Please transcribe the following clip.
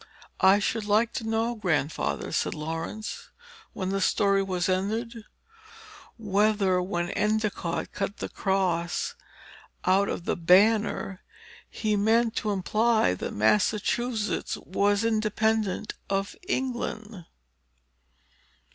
"I should like to know, Grandfather," said Laurence, when the story was ended, "whether, when Endicott cut the Red Cross out of the banner, he meant to imply that Massachusetts was independent of England?"